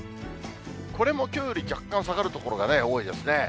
これもきょうより若干下がる所がね、多いですね。